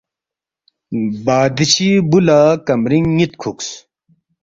بادشی بُو لہ کمرِنگ نِ٘ت کُھوکس